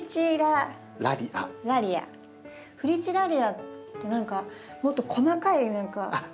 フリチラリアって何かもっと細かい柄のやつ。